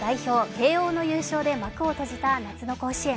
・慶応の優勝で幕を閉じた夏の甲子園。